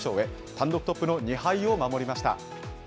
単独トップの２敗を守りました。